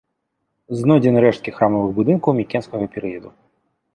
Знойдзены рэшткі храмавых будынкаў мікенскага перыяду.